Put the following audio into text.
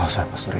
bukan gitu ya